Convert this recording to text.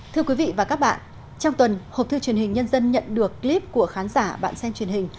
thưa quý vị và các bạn trong tuần hộp thư truyền hình nhân dân nhận được clip của khán giả bạn xem truyền hình